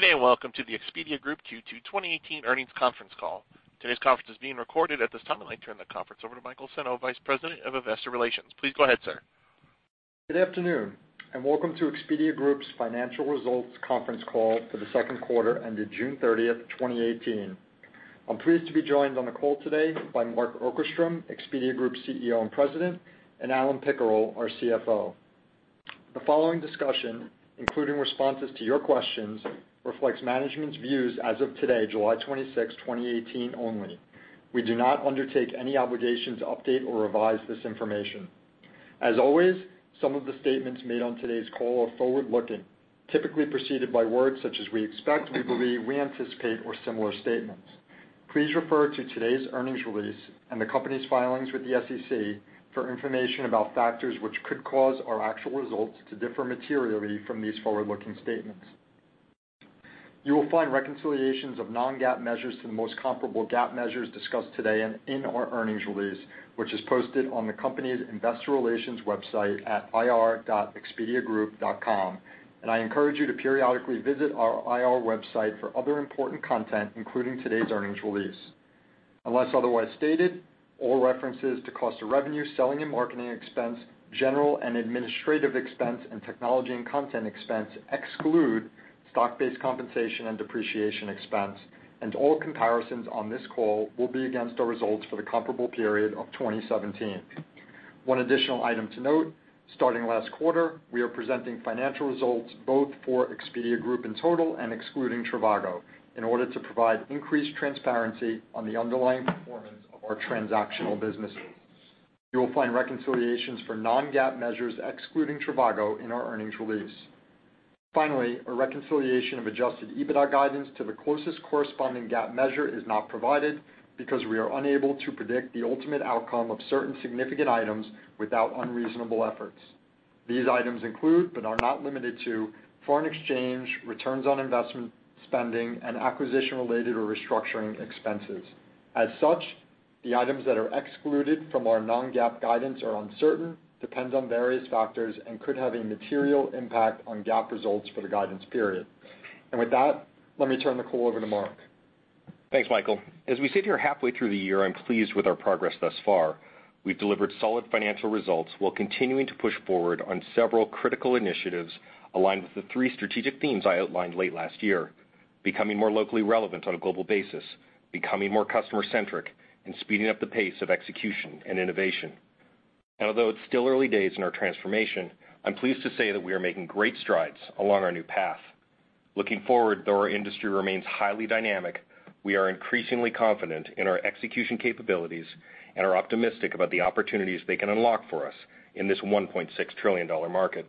Good day, and welcome to the Expedia Group Q2 2018 earnings conference call. Today's conference is being recorded. At this time, I'd like to turn the conference over to Michael Senno, Vice President of Investor Relations. Please go ahead, sir. Good afternoon, and welcome to Expedia Group's financial results conference call for the second quarter ended June 30th, 2018. I'm pleased to be joined on the call today by Mark Okerstrom, Expedia Group CEO and President, and Alan Pickerill, our CFO. The following discussion, including responses to your questions, reflects management's views as of today, July 26th, 2018 only. We do not undertake any obligation to update or revise this information. As always, some of the statements made on today's call are forward-looking, typically preceded by words such as "we expect," "we believe," "we anticipate" or similar statements. Please refer to today's earnings release and the company's filings with the SEC for information about factors which could cause our actual results to differ materially from these forward-looking statements. You will find reconciliations of non-GAAP measures to the most comparable GAAP measures discussed today and in our earnings release, which is posted on the company's investor relations website at ir.expediagroup.com, and I encourage you to periodically visit our IR website for other important content, including today's earnings release. Unless otherwise stated, all references to cost of revenue, selling and marketing expense, general and administrative expense, and technology and content expense exclude stock-based compensation and depreciation expense, and all comparisons on this call will be against our results for the comparable period of 2017. One additional item to note, starting last quarter, we are presenting financial results both for Expedia Group in total and excluding trivago in order to provide increased transparency on the underlying performance of our transactional businesses. You will find reconciliations for non-GAAP measures excluding trivago in our earnings release. Finally, a reconciliation of adjusted EBITDA guidance to the closest corresponding GAAP measure is not provided because we are unable to predict the ultimate outcome of certain significant items without unreasonable efforts. These items include, but are not limited to, foreign exchange, returns on investment spending, and acquisition-related or restructuring expenses. As such, the items that are excluded from our non-GAAP guidance are uncertain, depends on various factors, and could have a material impact on GAAP results for the guidance period. With that, let me turn the call over to Mark. Thanks, Michael. As we sit here halfway through the year, I am pleased with our progress thus far. We have delivered solid financial results while continuing to push forward on several critical initiatives aligned with the three strategic themes I outlined late last year: becoming more locally relevant on a global basis, becoming more customer-centric, and speeding up the pace of execution and innovation. Although it is still early days in our transformation, I am pleased to say that we are making great strides along our new path. Looking forward, though our industry remains highly dynamic, we are increasingly confident in our execution capabilities and are optimistic about the opportunities they can unlock for us in this $1.6 trillion market.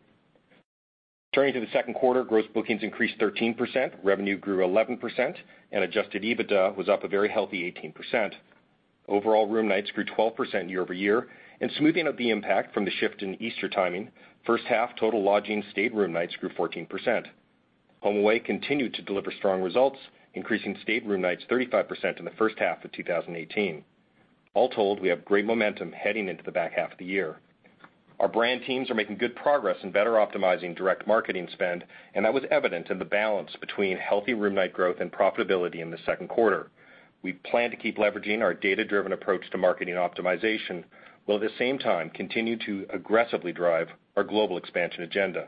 Turning to the second quarter, gross bookings increased 13%, revenue grew 11%, and adjusted EBITDA was up a very healthy 18%. Overall room nights grew 12% year-over-year, and smoothing out the impact from the shift in Easter timing, first half total lodging stayed room nights grew 14%. HomeAway continued to deliver strong results, increasing stayed room nights 35% in the first half of 2018. All told, we have great momentum heading into the back half of the year. Our brand teams are making good progress in better optimizing direct marketing spend, and that was evident in the balance between healthy room night growth and profitability in the second quarter. We plan to keep leveraging our data-driven approach to marketing optimization, while at the same time continue to aggressively drive our global expansion agenda.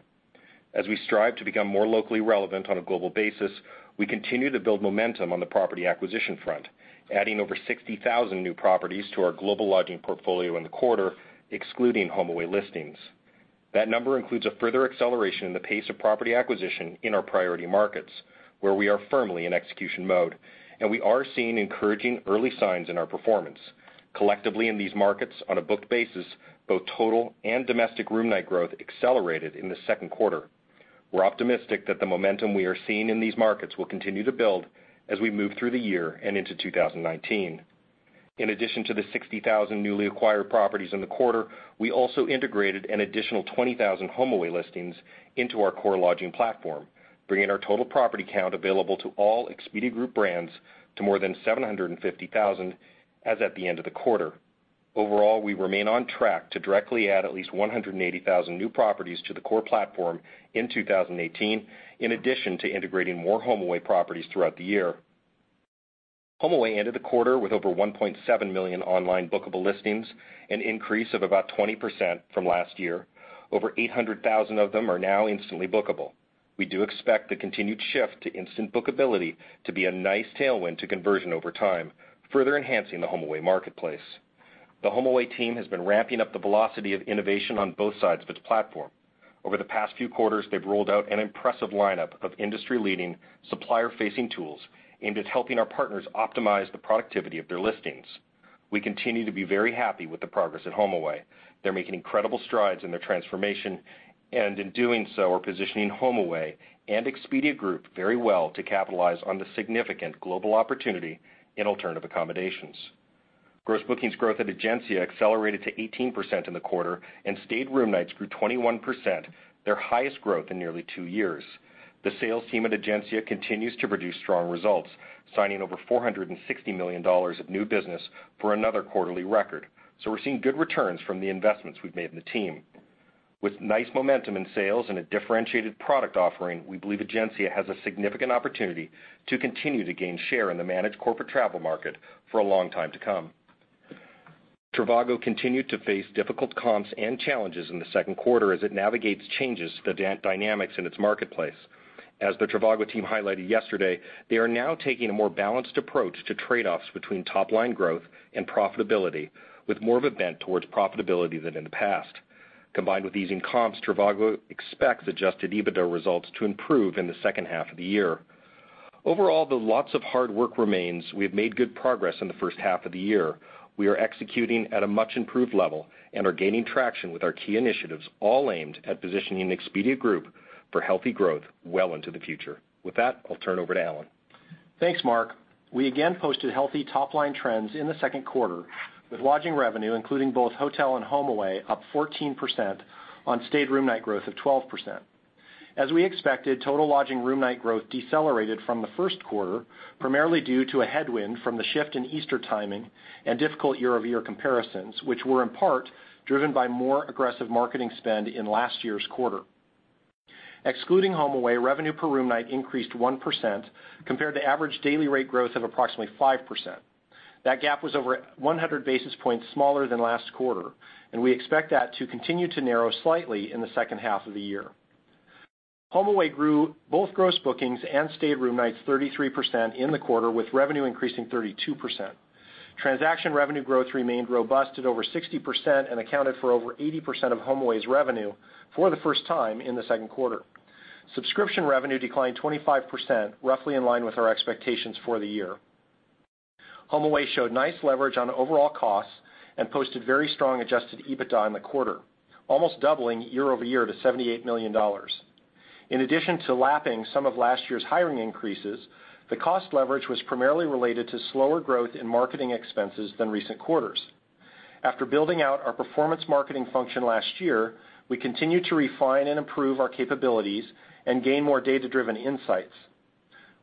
As we strive to become more locally relevant on a global basis, we continue to build momentum on the property acquisition front, adding over 60,000 new properties to our global lodging portfolio in the quarter, excluding HomeAway listings. That number includes a further acceleration in the pace of property acquisition in our priority markets, where we are firmly in execution mode, and we are seeing encouraging early signs in our performance. Collectively in these markets, on a booked basis, both total and domestic room night growth accelerated in the second quarter. We are optimistic that the momentum we are seeing in these markets will continue to build as we move through the year and into 2019. In addition to the 60,000 newly acquired properties in the quarter, we also integrated an additional 20,000 HomeAway listings into our core lodging platform, bringing our total property count available to all Expedia Group brands to more than 750,000 as at the end of the quarter. Overall, we remain on track to directly add at least 180,000 new properties to the core platform in 2018, in addition to integrating more HomeAway properties throughout the year. HomeAway ended the quarter with over 1.7 million online bookable listings, an increase of about 20% from last year. Over 800,000 of them are now instantly bookable. We do expect the continued shift to instant bookability to be a nice tailwind to conversion over time, further enhancing the HomeAway marketplace. The HomeAway team has been ramping up the velocity of innovation on both sides of its platform. Over the past few quarters, they've rolled out an impressive lineup of industry-leading supplier-facing tools aimed at helping our partners optimize the productivity of their listings. We continue to be very happy with the progress at HomeAway. They're making incredible strides in their transformation, and in doing so, are positioning HomeAway and Expedia Group very well to capitalize on the significant global opportunity in alternative accommodations. Gross bookings growth at Egencia accelerated to 18% in the quarter, and stayed room nights grew 21%, their highest growth in nearly two years. The sales team at Egencia continues to produce strong results, signing over $460 million of new business for another quarterly record. We're seeing good returns from the investments we've made in the team. With nice momentum in sales and a differentiated product offering, we believe Egencia has a significant opportunity to continue to gain share in the managed corporate travel market for a long time to come. trivago continued to face difficult comps and challenges in the second quarter as it navigates changes to dynamics in its marketplace. As the trivago team highlighted yesterday, they are now taking a more balanced approach to trade-offs between top-line growth and profitability, with more of a bent towards profitability than in the past. Combined with easing comps, trivago expects adjusted EBITDA results to improve in the second half of the year. Overall, though lots of hard work remains, we have made good progress in the first half of the year. We are executing at a much-improved level and are gaining traction with our key initiatives, all aimed at positioning Expedia Group for healthy growth well into the future. With that, I'll turn it over to Alan. Thanks, Mark. We again posted healthy top-line trends in the second quarter with lodging revenue, including both hotel and HomeAway, up 14% on stayed room night growth of 12%. As we expected, total lodging room night growth decelerated from the first quarter, primarily due to a headwind from the shift in Easter timing and difficult year-over-year comparisons, which were in part driven by more aggressive marketing spend in last year's quarter. Excluding HomeAway, revenue per room night increased 1% compared to average daily rate growth of approximately 5%. That gap was over 100 basis points smaller than last quarter, and we expect that to continue to narrow slightly in the second half of the year. HomeAway grew both gross bookings and stayed room nights 33% in the quarter, with revenue increasing 32%. Transaction revenue growth remained robust at over 60% and accounted for over 80% of HomeAway's revenue for the first time in the second quarter. Subscription revenue declined 25%, roughly in line with our expectations for the year. HomeAway showed nice leverage on overall costs and posted very strong adjusted EBITDA in the quarter, almost doubling year-over-year to $78 million. In addition to lapping some of last year's hiring increases, the cost leverage was primarily related to slower growth in marketing expenses than recent quarters. After building out our performance marketing function last year, we continue to refine and improve our capabilities and gain more data-driven insights.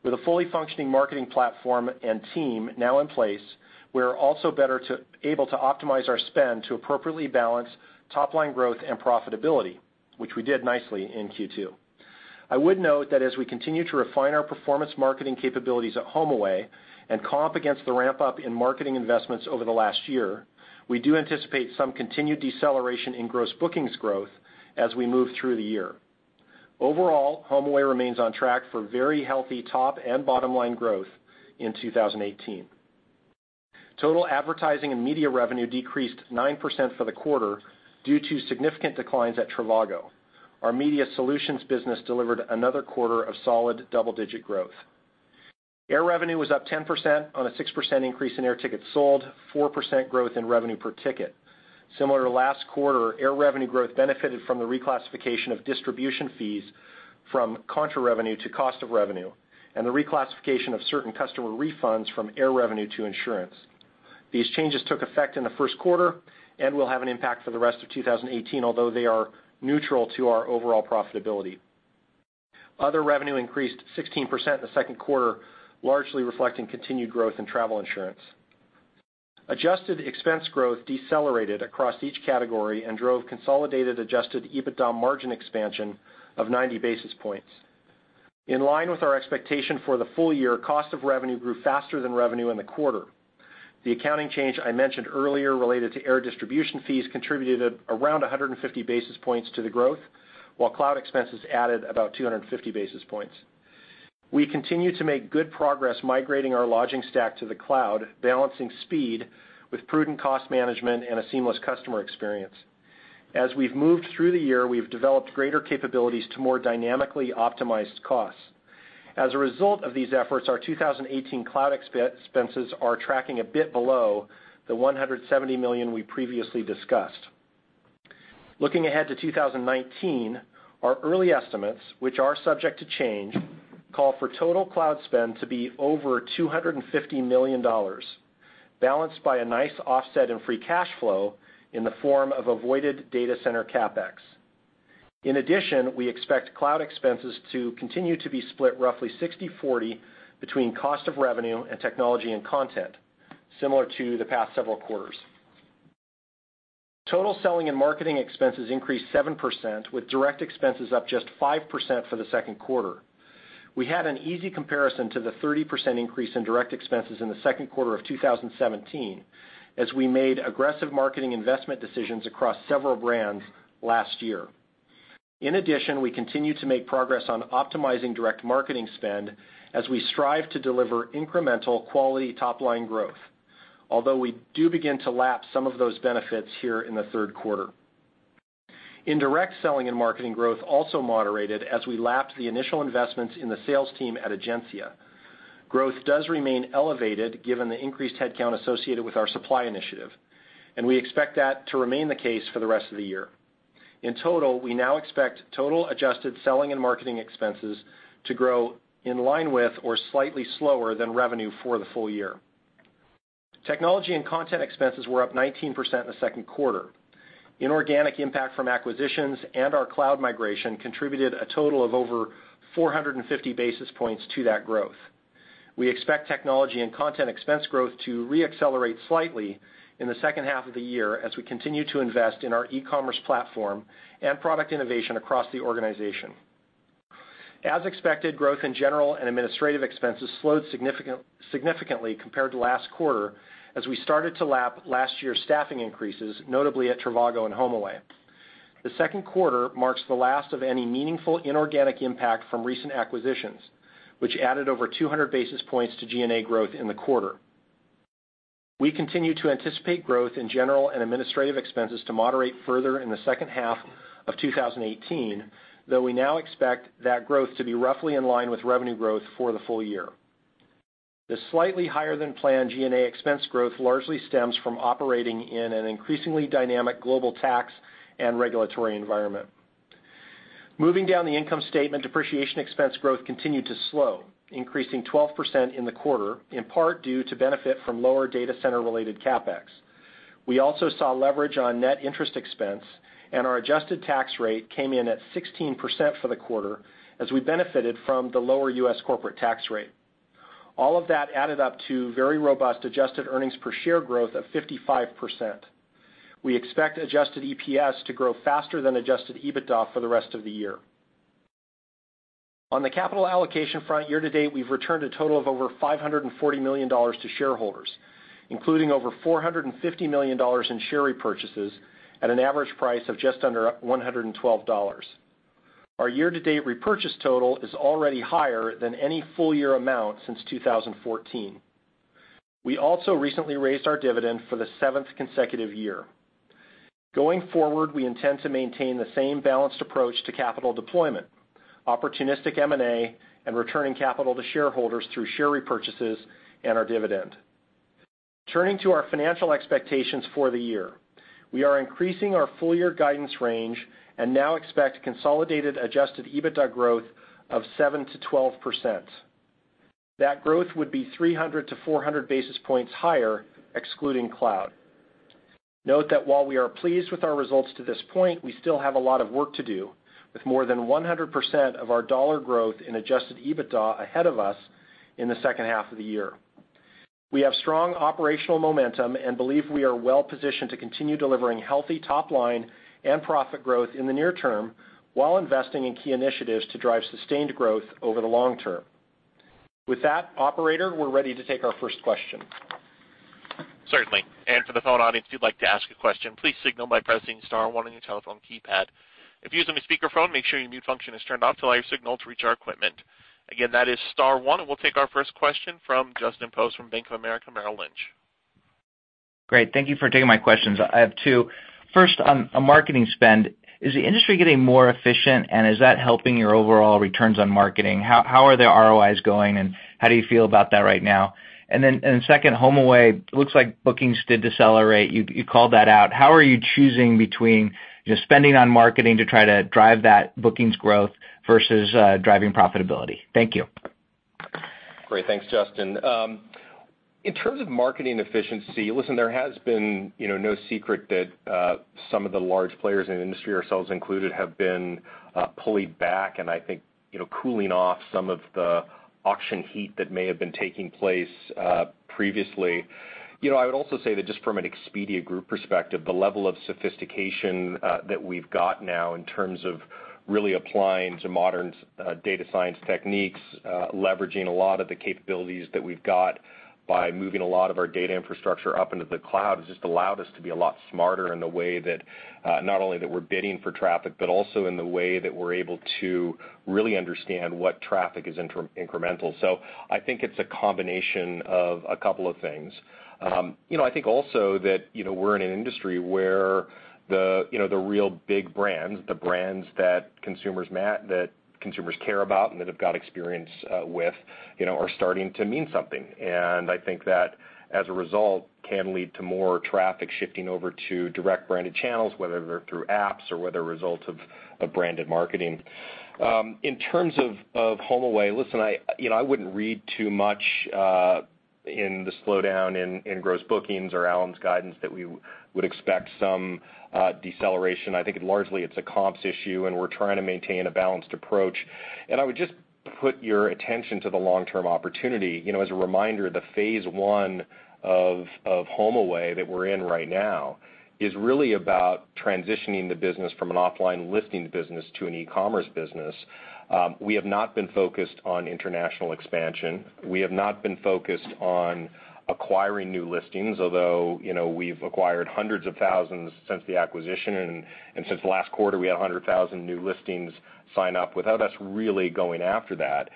With a fully functioning marketing platform and team now in place, we are also better able to optimize our spend to appropriately balance top-line growth and profitability, which we did nicely in Q2. I would note that as we continue to refine our performance marketing capabilities at HomeAway and comp against the ramp-up in marketing investments over the last year, we do anticipate some continued deceleration in gross bookings growth as we move through the year. Overall, HomeAway remains on track for very healthy top and bottom-line growth in 2018. Total advertising and media revenue decreased 9% for the quarter due to significant declines at trivago. Our Media Solutions business delivered another quarter of solid double-digit growth. Air revenue was up 10% on a 6% increase in air tickets sold, 4% growth in revenue per ticket. Similar to last quarter, air revenue growth benefited from the reclassification of distribution fees from contra revenue to cost of revenue and the reclassification of certain customer refunds from air revenue to insurance. These changes took effect in the first quarter and will have an impact for the rest of 2018, although they are neutral to our overall profitability. Other revenue increased 16% in the second quarter, largely reflecting continued growth in travel insurance. Adjusted expense growth decelerated across each category and drove consolidated adjusted EBITDA margin expansion of 90 basis points. In line with our expectation for the full year, cost of revenue grew faster than revenue in the quarter. The accounting change I mentioned earlier related to air distribution fees contributed around 150 basis points to the growth, while cloud expenses added about 250 basis points. We continue to make good progress migrating our lodging stack to the cloud, balancing speed with prudent cost management and a seamless customer experience. As we've moved through the year, we've developed greater capabilities to more dynamically optimize costs. As a result of these efforts, our 2018 cloud expenses are tracking a bit below the $170 million we previously discussed. Looking ahead to 2019, our early estimates, which are subject to change, call for total cloud spend to be over $250 million, balanced by a nice offset in free cash flow in the form of avoided data center CapEx. In addition, we expect cloud expenses to continue to be split roughly 60/40 between cost of revenue and technology and content, similar to the past several quarters. Total selling and marketing expenses increased 7%, with direct expenses up just 5% for the second quarter. We had an easy comparison to the 30% increase in direct expenses in the second quarter of 2017, as we made aggressive marketing investment decisions across several brands last year. In addition, we continue to make progress on optimizing direct marketing spend as we strive to deliver incremental quality top-line growth, although we do begin to lap some of those benefits here in the third quarter. Indirect selling and marketing growth also moderated as we lapped the initial investments in the sales team at Egencia. Growth does remain elevated given the increased headcount associated with our supply initiative, and we expect that to remain the case for the rest of the year. In total, we now expect total adjusted selling and marketing expenses to grow in line with or slightly slower than revenue for the full year. Technology and content expenses were up 19% in the second quarter. Inorganic impact from acquisitions and our cloud migration contributed a total of over 450 basis points to that growth. We expect technology and content expense growth to re-accelerate slightly in the second half of the year as we continue to invest in our e-commerce platform and product innovation across the organization. As expected, growth in general and administrative expenses slowed significantly compared to last quarter as we started to lap last year's staffing increases, notably at trivago and HomeAway. The second quarter marks the last of any meaningful inorganic impact from recent acquisitions, which added over 200 basis points to G&A growth in the quarter. We continue to anticipate growth in general and administrative expenses to moderate further in the second half of 2018, though we now expect that growth to be roughly in line with revenue growth for the full year. The slightly higher than planned G&A expense growth largely stems from operating in an increasingly dynamic global tax and regulatory environment. Moving down the income statement, depreciation expense growth continued to slow, increasing 12% in the quarter, in part due to benefit from lower data center related CapEx. We also saw leverage on net interest expense, and our adjusted tax rate came in at 16% for the quarter as we benefited from the lower U.S. corporate tax rate. All of that added up to very robust adjusted EPS growth of 55%. We expect adjusted EPS to grow faster than adjusted EBITDA for the rest of the year. On the capital allocation front, year to date, we've returned a total of over $540 million to shareholders, including over $450 million in share repurchases at an average price of just under $112. Our year-to-date repurchase total is already higher than any full year amount since 2014. We also recently raised our dividend for the seventh consecutive year. Going forward, we intend to maintain the same balanced approach to capital deployment, opportunistic M&A, and returning capital to shareholders through share repurchases and our dividend. Turning to our financial expectations for the year, we are increasing our full year guidance range and now expect consolidated adjusted EBITDA growth of 7%-12%. That growth would be 300 to 400 basis points higher, excluding cloud. Note that while we are pleased with our results to this point, we still have a lot of work to do, with more than 100% of our dollar growth in adjusted EBITDA ahead of us in the second half of the year. We have strong operational momentum and believe we are well positioned to continue delivering healthy top line and profit growth in the near term while investing in key initiatives to drive sustained growth over the long term. With that, operator, we're ready to take our first question. Certainly. For the phone audience, if you'd like to ask a question, please signal by pressing star one on your telephone keypad. If you're using a speakerphone, make sure your mute function is turned off to allow your signal to reach our equipment. Again, that is star one, we'll take our first question from Justin Post from Bank of America Merrill Lynch. Great. Thank you for taking my questions. I have two. First, on marketing spend, is the industry getting more efficient, is that helping your overall returns on marketing? How are the ROIs going, and how do you feel about that right now? Second, HomeAway, looks like bookings did decelerate. You called that out. How are you choosing between just spending on marketing to try to drive that bookings growth versus driving profitability? Thank you. Great. Thanks, Justin. In terms of marketing efficiency, listen, there has been no secret that some of the large players in the industry, ourselves included, have been pulling back and I think cooling off some of the auction heat that may have been taking place previously. I would also say that just from an Expedia Group perspective, the level of sophistication that we've got now in terms of really applying to modern data science techniques, leveraging a lot of the capabilities that we've got by moving a lot of our data infrastructure up into the cloud has just allowed us to be a lot smarter in the way that not only that we're bidding for traffic, but also in the way that we're able to really understand what traffic is incremental. I think it's a combination of a couple of things. I think also that we're in an industry where the real big brands, the brands that consumers care about and that have got experience with are starting to mean something. I think that as a result, can lead to more traffic shifting over to direct branded channels, whether they're through apps or whether a result of branded marketing. In terms of HomeAway, listen, I wouldn't read too much in the slowdown in gross bookings or Alan's guidance that we would expect some deceleration. I think largely it's a comps issue, and we're trying to maintain a balanced approach. I would just put your attention to the long-term opportunity. As a reminder, the phase 1 of HomeAway that we're in right now is really about transitioning the business from an offline listing business to an e-commerce business. We have not been focused on international expansion. We have not been focused on acquiring new listings, although we've acquired hundreds of thousands since the acquisition, and since last quarter, we had 100,000 new listings sign up without us really going after that.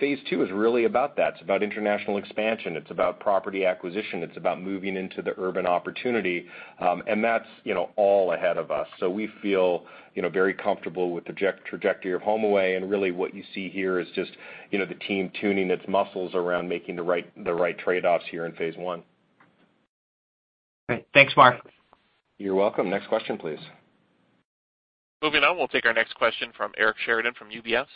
Phase 2 is really about that. It's about international expansion. It's about property acquisition. It's about moving into the urban opportunity, and that's all ahead of us. We feel very comfortable with the trajectory of HomeAway, and really what you see here is just the team tuning its muscles around making the right trade-offs here in phase 1. Great. Thanks, Mark. You're welcome. Next question, please. Moving on, we'll take our next question from Eric Sheridan from UBS.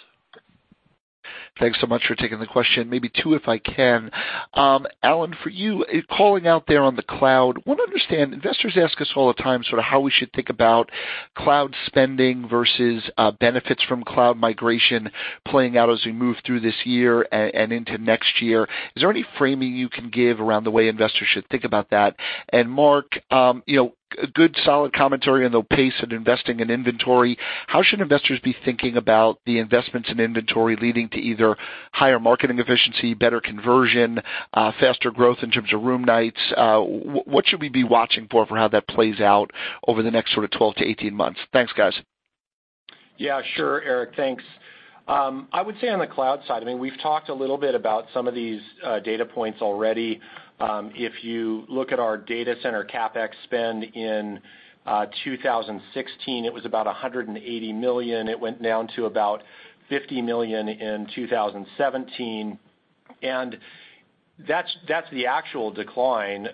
Thanks so much for taking the question. Maybe two, if I can. Alan, for you, calling out there on the cloud, want to understand, investors ask us all the time how we should think about cloud spending versus benefits from cloud migration playing out as we move through this year and into next year. Is there any framing you can give around the way investors should think about that? Mark, good solid commentary on the pace of investing in inventory. How should investors be thinking about the investments in inventory leading to either higher marketing efficiency, better conversion, faster growth in terms of room nights? What should we be watching for how that plays out over the next 12 to 18 months? Thanks, guys. Yeah, sure, Eric. Thanks. I would say on the cloud side, we've talked a little bit about some of these data points already. If you look at our data center CapEx spend in 2016, it was about $180 million. It went down to about $50 million in 2017, and that's the actual decline.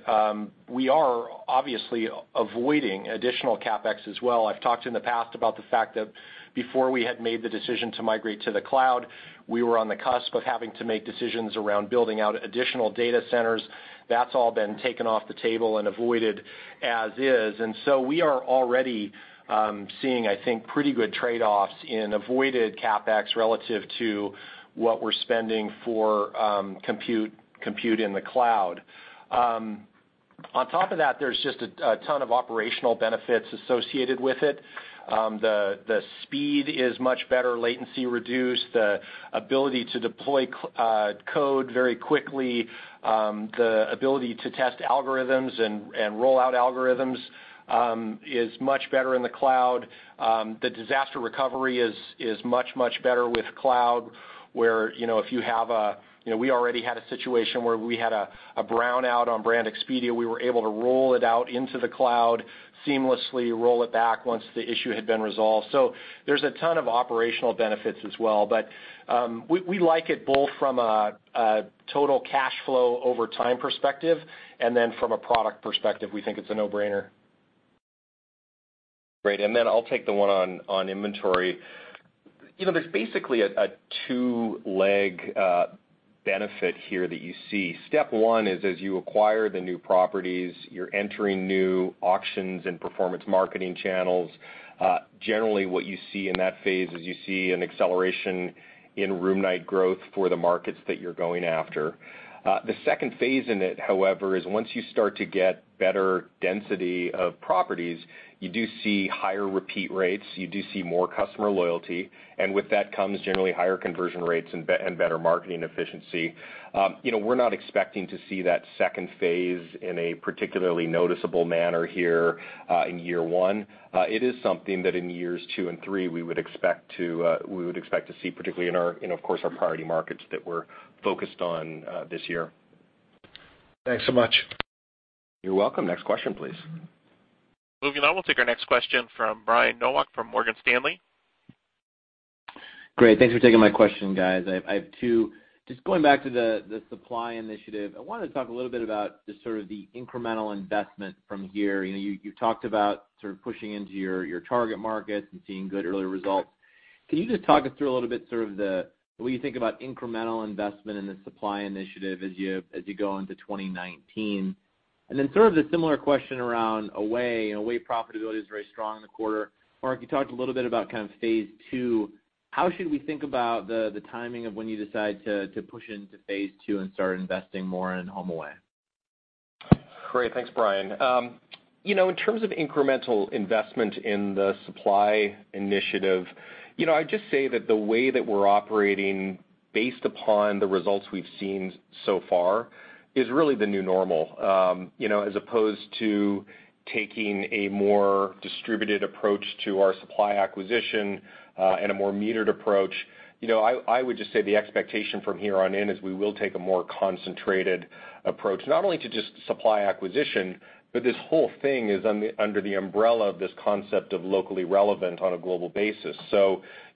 We are obviously avoiding additional CapEx as well. I've talked in the past about the fact that before we had made the decision to migrate to the cloud, we were on the cusp of having to make decisions around building out additional data centers. That's all been taken off the table and avoided as is. We are already seeing, I think, pretty good trade-offs in avoided CapEx relative to what we're spending for compute in the cloud. On top of that, there's just a ton of operational benefits associated with it. The speed is much better, latency reduced, the ability to deploy code very quickly, the ability to test algorithms and roll out algorithms is much better in the cloud. The disaster recovery is much, much better with cloud, where we already had a situation where we had a brownout on Brand Expedia, we were able to roll it out into the cloud seamlessly, roll it back once the issue had been resolved. There's a ton of operational benefits as well. We like it both from a total cash flow over time perspective, and then from a product perspective, we think it's a no-brainer. Great. I'll take the one on inventory. There's basically a two-leg benefit here that you see. Step one is as you acquire the new properties, you're entering new auctions and performance marketing channels. Generally what you see in that phase is you see an acceleration in room night growth for the markets that you're going after. The second phase in it, however, is once you start to get better density of properties, you do see higher repeat rates, you do see more customer loyalty, and with that comes generally higher conversion rates and better marketing efficiency. We're not expecting to see that second phase in a particularly noticeable manner here in year one. It is something that in years two and three, we would expect to see, particularly in, of course, our priority markets that we're focused on this year. Thanks so much. You're welcome. Next question, please. Moving on, we'll take our next question from Brian Nowak from Morgan Stanley. Great. Thanks for taking my question, guys. I have two. Going back to the supply initiative, I wanted to talk a little bit about the incremental investment from here. You talked about pushing into your target markets and seeing good early results. Can you talk us through a little bit what you think about incremental investment in the supply initiative as you go into 2019? The similar question around HomeAway. HomeAway profitability is very strong in the quarter. Mark, you talked a little bit about kind of phase two. How should we think about the timing of when you decide to push into phase two and start investing more in HomeAway? Great. Thanks, Brian. In terms of incremental investment in the supply initiative, I'd say that the way that we're operating based upon the results we've seen so far is really the new normal. As opposed to taking a more distributed approach to our supply acquisition and a more metered approach, I would say the expectation from here on in is we will take a more concentrated approach, not only to supply acquisition, but this whole thing is under the umbrella of this concept of locally relevant on a global basis.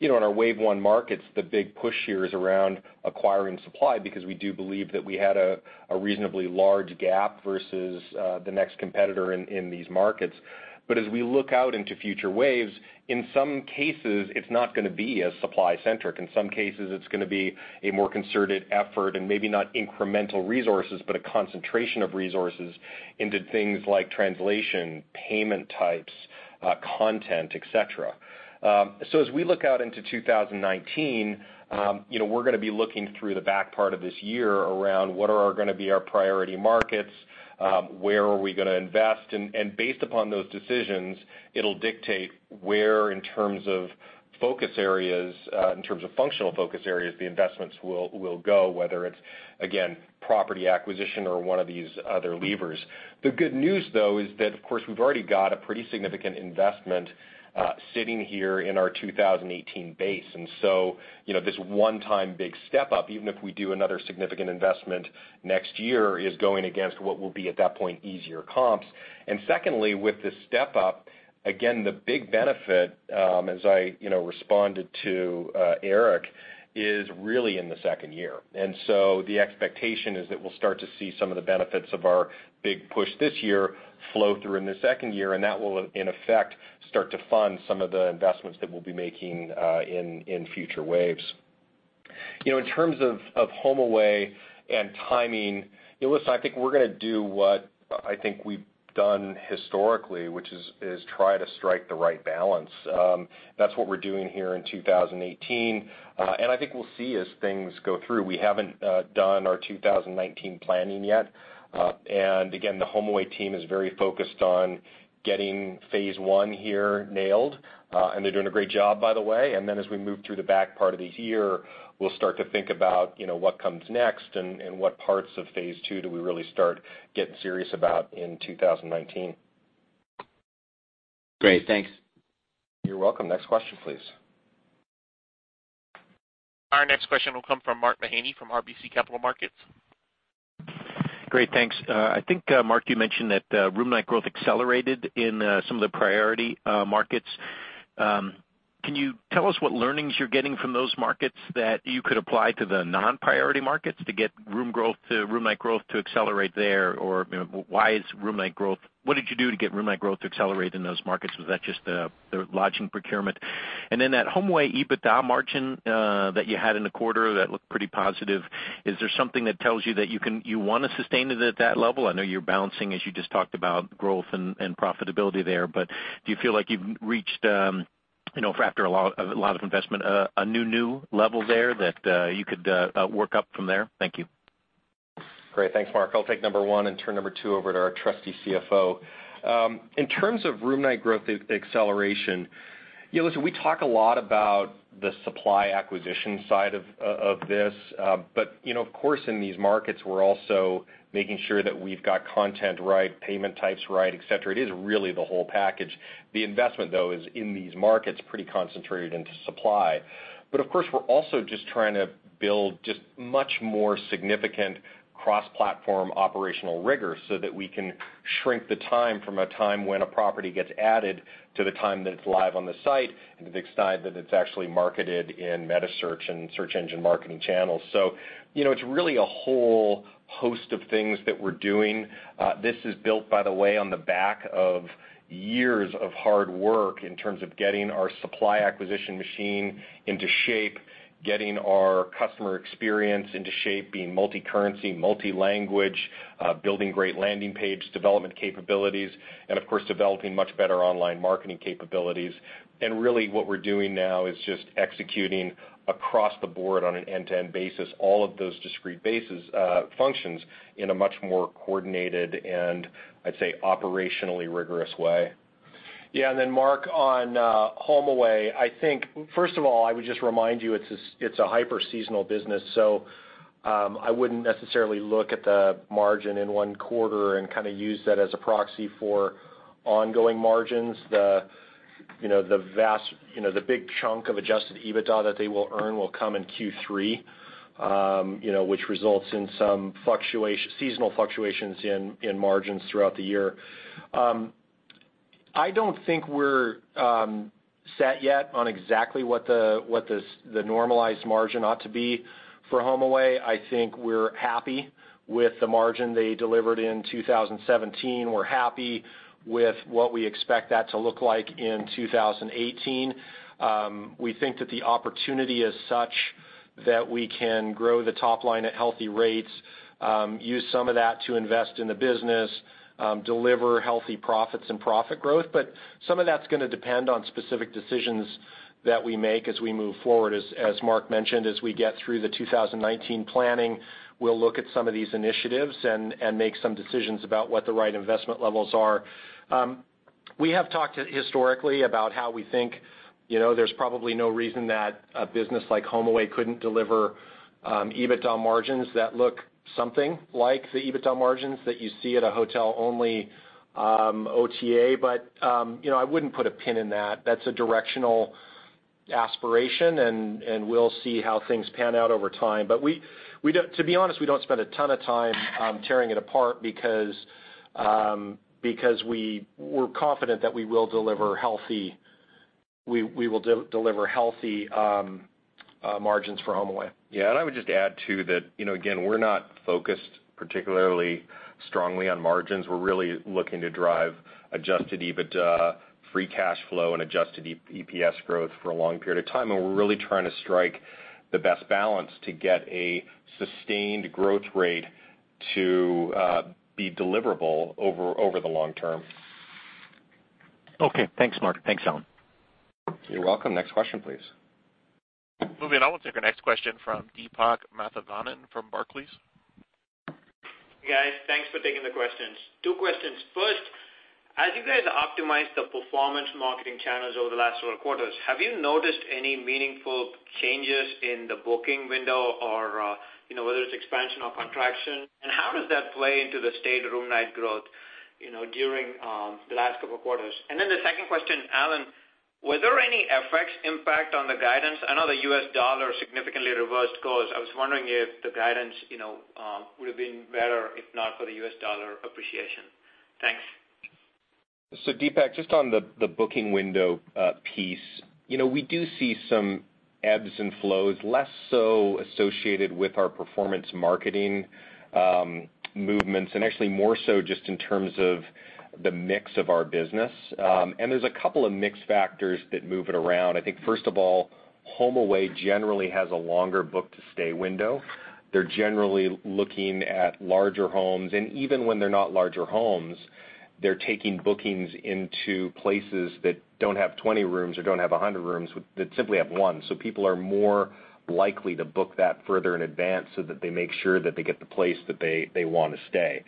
In our wave one markets, the big push here is around acquiring supply because we do believe that we had a reasonably large gap versus the next competitor in these markets. As we look out into future waves, in some cases, it's not going to be as supply centric. In some cases, it's going to be a more concerted effort and maybe not incremental resources, but a concentration of resources into things like translation, payment types, content, et cetera. As we look out into 2019, we're going to be looking through the back part of this year around what are going to be our priority markets, where are we going to invest, and based upon those decisions, it'll dictate where, in terms of functional focus areas, the investments will go, whether it's, again, property acquisition or one of these other levers. The good news, though, is that, of course, we've already got a pretty significant investment sitting here in our 2018 base. This one-time big step up, even if we do another significant investment next year, is going against what will be, at that point, easier comps. With this step-up, again, the big benefit, as I responded to Eric, is really in the second year. The expectation is that we'll start to see some of the benefits of our big push this year flow through in the second year, and that will, in effect, start to fund some of the investments that we'll be making in future waves. In terms of HomeAway and timing, listen, I think we're going to do what I think we've done historically, which is try to strike the right balance. That's what we're doing here in 2018. I think we'll see as things go through. We haven't done our 2019 planning yet. The HomeAway team is very focused on getting phase one here nailed, and they're doing a great job, by the way. As we move through the back part of the year, we'll start to think about what comes next and what parts of phase two do we really start getting serious about in 2019. Great. Thanks. You're welcome. Next question, please. Our next question will come from Mark Mahaney from RBC Capital Markets. Great. Thanks. I think, Mark, you mentioned that room night growth accelerated in some of the priority markets. Can you tell us what learnings you're getting from those markets that you could apply to the non-priority markets to get room night growth to accelerate there? Or what did you do to get room night growth to accelerate in those markets? Was that just the lodging procurement? That HomeAway EBITDA margin that you had in the quarter, that looked pretty positive. Is there something that tells you that you want to sustain it at that level? I know you're balancing, as you just talked about growth and profitability there, but do you feel like you've reached, after a lot of investment, a new level there that you could work up from there? Thank you. Great. Thanks, Mark. I'll take number one and turn number two over to our trusty CFO. In terms of room night growth acceleration, listen, we talk a lot about the supply acquisition side of this. Of course, in these markets, we're also making sure that we've got content right, payment types right, et cetera. It is really the whole package. The investment, though, is in these markets, pretty concentrated into supply. Of course, we're also just trying to build just much more significant cross-platform operational rigor so that we can shrink the time from a time when a property gets added to the time that it's live on the site and the time that it's actually marketed in meta search and search engine marketing channels. It's really a whole host of things that we're doing. This is built, by the way, on the back of years of hard work in terms of getting our supply acquisition machine into shape, getting our customer experience into shape, being multi-currency, multi-language, building great landing page development capabilities, and of course, developing much better online marketing capabilities. Really what we're doing now is just executing across the board on an end-to-end basis, all of those discrete functions in a much more coordinated and, I'd say, operationally rigorous way. Yeah. Mark, on HomeAway, I think, first of all, I would just remind you it's a hyper seasonal business, so I wouldn't necessarily look at the margin in one quarter and kind of use that as a proxy for ongoing margins. The big chunk of adjusted EBITDA that they will earn will come in Q3 which results in some seasonal fluctuations in margins throughout the year. I don't think we're set yet on exactly what the normalized margin ought to be for HomeAway. I think we're happy with the margin they delivered in 2017. We're happy with what we expect that to look like in 2018. We think that the opportunity is such that we can grow the top line at healthy rates, use some of that to invest in the business, deliver healthy profits and profit growth. Some of that's going to depend on specific decisions that we make as we move forward. As Mark mentioned, as we get through the 2019 planning, we'll look at some of these initiatives and make some decisions about what the right investment levels are. We have talked historically about how we think there's probably no reason that a business like HomeAway couldn't deliver EBITDA margins that look something like the EBITDA margins that you see at a hotel-only OTA. I wouldn't put a pin in that. That's a directional aspiration, and we'll see how things pan out over time. To be honest, we don't spend a ton of time tearing it apart because we're confident that we will deliver healthy margins for HomeAway. Yeah. I would just add, too, that again, we're not focused particularly strongly on margins. We're really looking to drive adjusted EBITDA free cash flow and adjusted EPS growth for a long period of time. We're really trying to strike the best balance to get a sustained growth rate to be deliverable over the long term. Okay. Thanks, Mark. Thanks, Alan. You're welcome. Next question, please. Moving on. We'll take our next question from Deepak Mathivanan from Barclays. Hey, guys. Thanks for taking the questions. Two questions. First, as you guys optimized the performance marketing channels over the last 4 quarters, have you noticed any meaningful changes in the booking window or whether it's expansion or contraction? How does that play into the state of room night growth during the last couple of quarters? The second question, Alan, were there any FX impact on the guidance? I know the U.S. dollar significantly reversed course. I was wondering if the guidance would have been better if not for the U.S. dollar appreciation. Thanks. Deepak, just on the booking window piece, we do see some ebbs and flows, less so associated with our performance marketing movements and actually more so just in terms of the mix of our business. There's a couple of mix factors that move it around. I think first of all HomeAway generally has a longer book-to-stay window. They're generally looking at larger homes, and even when they're not larger homes, they're taking bookings into places that don't have 20 rooms or don't have 100 rooms, that simply have one. People are more likely to book that further in advance so that they make sure that they get the place that they want to stay.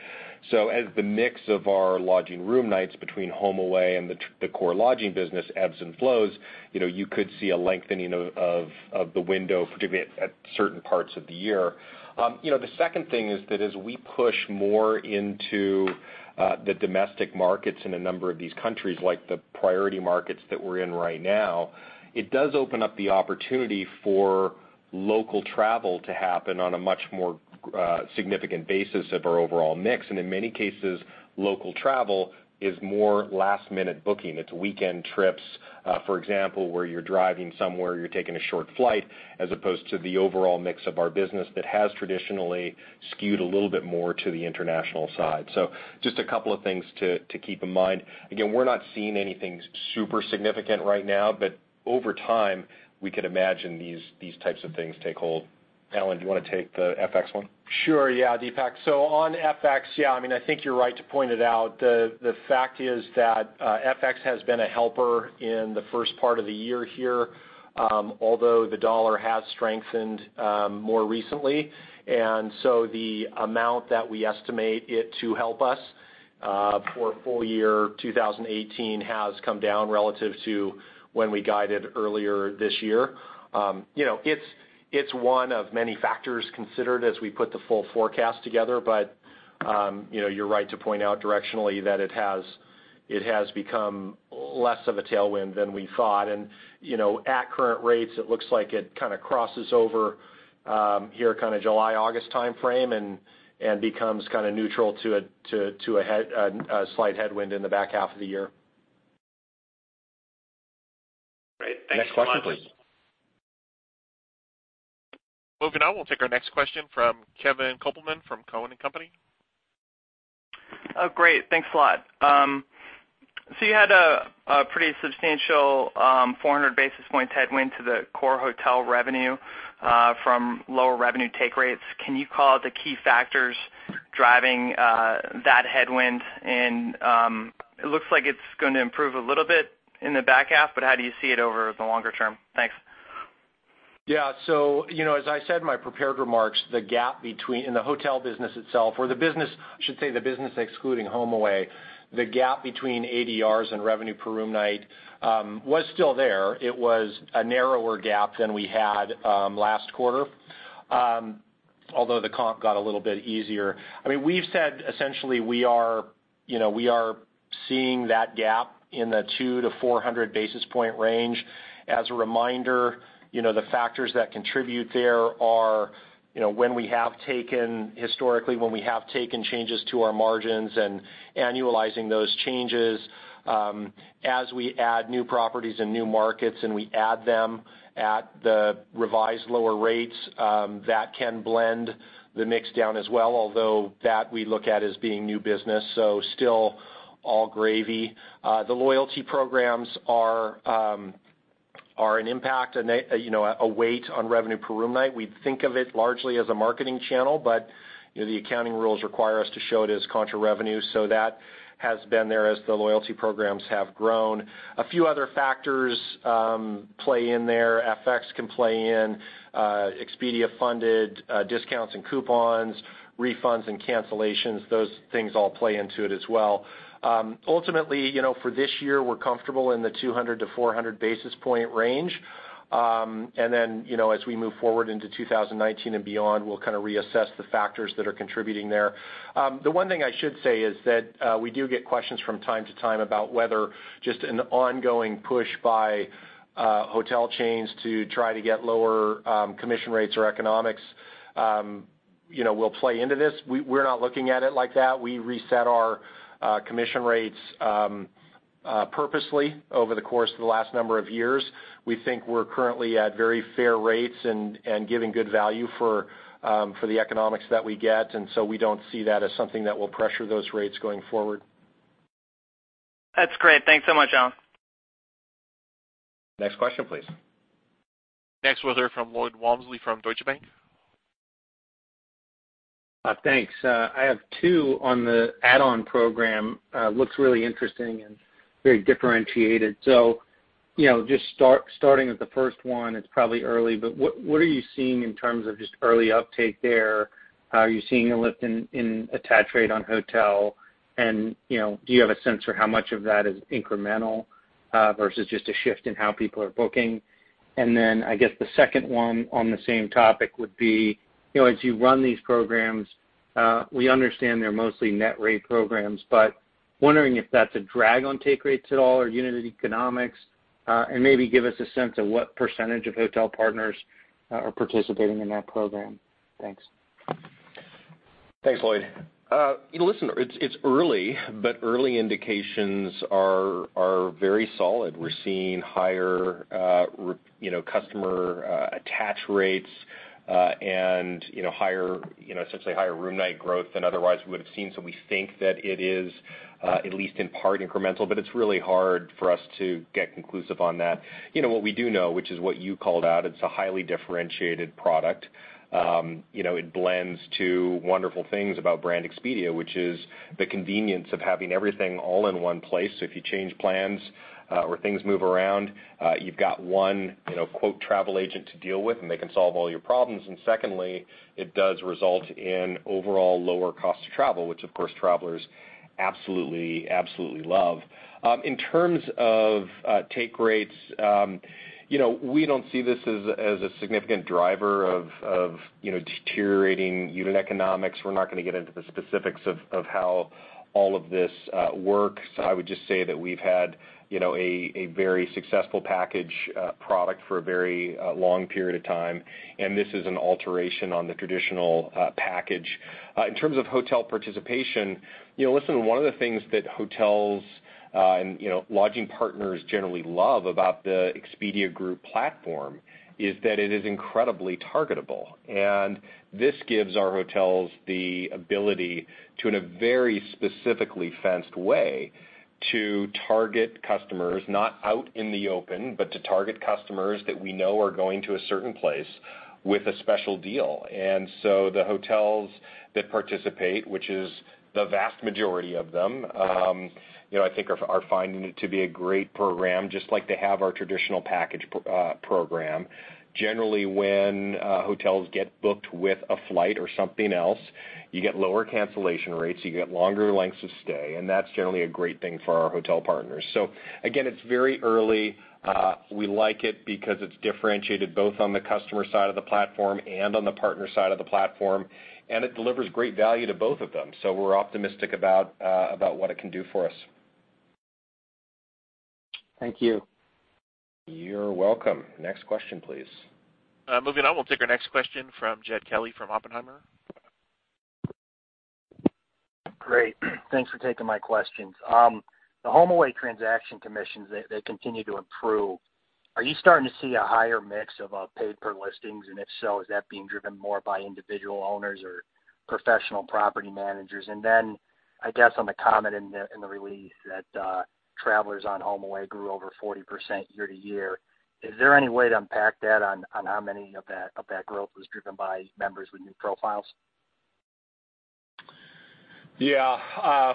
As the mix of our lodging room nights between HomeAway and the core lodging business ebbs and flows, you could see a lengthening of the window, particularly at certain parts of the year. The second thing is that as we push more into the domestic markets in a number of these countries, like the priority markets that we're in right now, it does open up the opportunity for local travel to happen on a much more significant basis of our overall mix. In many cases, local travel is more last-minute booking. It's weekend trips, for example, where you're driving somewhere, you're taking a short flight, as opposed to the overall mix of our business that has traditionally skewed a little bit more to the international side. Just a couple of things to keep in mind. We're not seeing anything super significant right now, but over time, we could imagine these types of things take hold. Alan, do you want to take the FX one? Sure. Yeah, Deepak. On FX, I think you're right to point it out. The fact is that FX has been a helper in the first part of the year here, although the dollar has strengthened more recently. The amount that we estimate it to help us for full year 2018 has come down relative to when we guided earlier this year. It's one of many factors considered as we put the full forecast together, but you're right to point out directionally that it has become less of a tailwind than we thought. At current rates, it looks like it kind of crosses over here, July, August timeframe, and becomes neutral to a slight headwind in the back half of the year. Great. Thank you so much. Next question, please. Moving on, we'll take our next question from Kevin Kopelman from Cowen and Company. Oh, great. Thanks a lot. You had a pretty substantial 400 basis points headwind to the core hotel revenue from lower revenue take rates. Can you call out the key factors driving that headwind? It looks like it's going to improve a little bit in the back half, how do you see it over the longer term? Thanks. As I said in my prepared remarks, in the hotel business itself, or I should say the business excluding HomeAway, the gap between ADRs and revenue per room night was still there. It was a narrower gap than we had last quarter, although the comp got a little bit easier. We've said essentially, we are seeing that gap in the two to 400 basis point range. As a reminder, the factors that contribute there are historically when we have taken changes to our margins, annualizing those changes as we add new properties and new markets, and we add them at the revised lower rates, that can blend the mix down as well, although that we look at as being new business, still all gravy. The loyalty programs are an impact, a weight on revenue per room night. We think of it largely as a marketing channel, the accounting rules require us to show it as contra revenue, that has been there as the loyalty programs have grown. A few other factors play in there. FX can play in, Expedia-funded discounts and coupons, refunds and cancellations, those things all play into it as well. Ultimately, for this year, we're comfortable in the 200-400 basis point range. As we move forward into 2019 and beyond, we'll reassess the factors that are contributing there. The one thing I should say is that we do get questions from time to time about whether just an ongoing push by hotel chains to try to get lower commission rates or economics will play into this. We're not looking at it like that. We reset our commission rates purposely over the course of the last number of years. We think we're currently at very fair rates and giving good value for the economics that we get, we don't see that as something that will pressure those rates going forward. That's great. Thanks so much, Alan. Next question, please. Next we'll hear from Lloyd Walmsley from Deutsche Bank. Thanks. I have two on the Add-On program. Looks really interesting and very differentiated. Just starting with the first one, it's probably early, but what are you seeing in terms of just early uptake there? Are you seeing a lift in attach rate on hotel? Do you have a sense for how much of that is incremental versus just a shift in how people are booking? I guess the second one on the same topic would be, as you run these programs, we understand they're mostly net rate programs, but wondering if that's a drag on take rates at all or unit economics, and maybe give us a sense of what % of hotel partners are participating in that program. Thanks. Thanks, Lloyd. It's early indications are very solid. We're seeing higher customer attach rates Essentially higher room night growth than otherwise we would have seen. We think that it is, at least in part, incremental, it's really hard for us to get conclusive on that. What we do know, which is what you called out, it's a highly differentiated product. It blends two wonderful things about Brand Expedia, which is the convenience of having everything all in one place. If you change plans or things move around, you've got one "travel agent" to deal with, they can solve all your problems. Secondly, it does result in overall lower cost of travel, which of course travelers absolutely love. In terms of take rates, we don't see this as a significant driver of deteriorating unit economics. We're not going to get into the specifics of how all of this works. I would just say that we've had a very successful package product for a very long period of time, this is an alteration on the traditional package. In terms of hotel participation, one of the things that hotels and lodging partners generally love about the Expedia Group platform is that it is incredibly targetable. This gives our hotels the ability to, in a very specifically fenced way, to target customers, not out in the open, to target customers that we know are going to a certain place with a special deal. The hotels that participate, which is the vast majority of them, I think are finding it to be a great program, just like they have our traditional package program. Generally, when hotels get booked with a flight or something else, you get lower cancellation rates, you get longer lengths of stay, that's generally a great thing for our hotel partners. Again, it's very early. We like it because it's differentiated both on the customer side of the platform and on the partner side of the platform, it delivers great value to both of them. We're optimistic about what it can do for us. Thank you. You're welcome. Next question, please. Moving on. We'll take our next question from Jed Kelly from Oppenheimer. Great. Thanks for taking my questions. The HomeAway transaction commissions, they continue to improve. Are you starting to see a higher mix of paid per listings? If so, is that being driven more by individual owners or professional property managers? Then, I guess on the comment in the release that travelers on HomeAway grew over 40% year-over-year, is there any way to unpack that on how many of that growth was driven by members with new profiles? Yeah.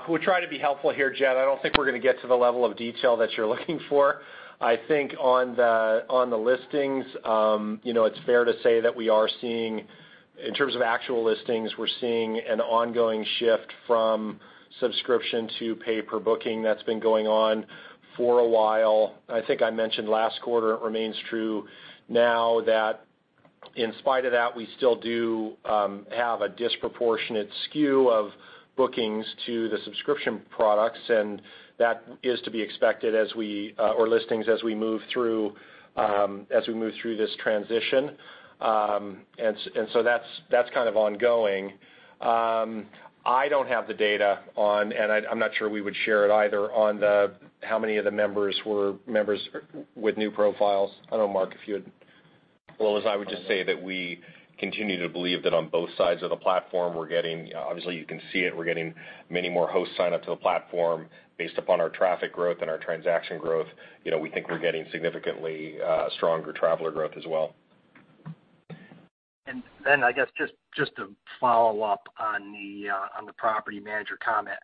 We'll try to be helpful here, Jed Kelly. I don't think we're going to get to the level of detail that you're looking for. I think on the listings, it's fair to say that in terms of actual listings, we're seeing an ongoing shift from subscription to pay per booking that's been going on for a while. I think I mentioned last quarter, it remains true now that in spite of that, we still do have a disproportionate skew of bookings to the subscription products, and that is to be expected or listings as we move through this transition. That's kind of ongoing. I don't have the data on, and I'm not sure we would share it either, on how many of the members were members with new profiles. I don't know, Mark, if you had. I would just say that we continue to believe that on both sides of the platform, obviously you can see it, we're getting many more hosts sign up to the platform based upon our traffic growth and our transaction growth. We think we're getting significantly stronger traveler growth as well. I guess, just to follow up on the property manager comment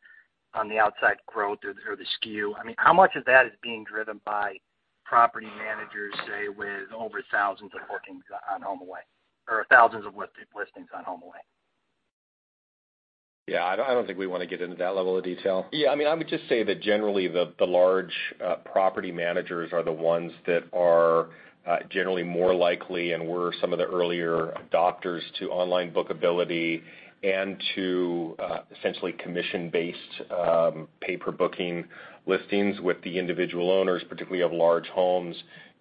on the outside growth or the skew. How much of that is being driven by property managers, say, with over thousands of bookings on HomeAway, or thousands of listings on HomeAway? Yeah, I don't think we want to get into that level of detail. Yeah, I would just say that generally the large property managers are the ones that are generally more likely and were some of the earlier adopters to online bookability and to essentially commission-based pay per booking listings with the individual owners, particularly of large homes,